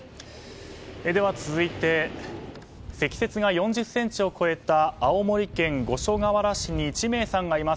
では続いて積雪が４０ｃｍを超えた青森県五所川原市に地名さんがいます。